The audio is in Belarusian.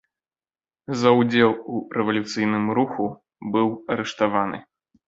За ўдзел у рэвалюцыйным руху быў арыштаваны.